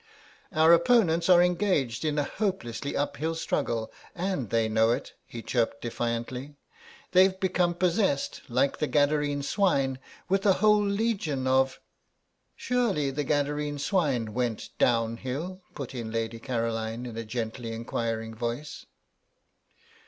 "Our opponents are engaged in a hopelessly uphill struggle, and they know it," he chirruped, defiantly; "they've become possessed, like the Gadarene swine, with a whole legion of—" "Surely the Gadarene swine went downhill," put in Lady Caroline in a gently enquiring voice.